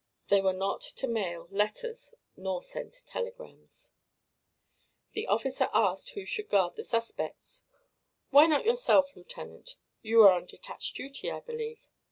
They were not to mail letters nor send telegrams. The officer asked who should guard the suspects. "Why not yourself, Lieutenant? You are on detached duty, I believe?"